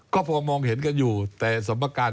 ก็พอมองเห็นกันอยู่แต่สมประการ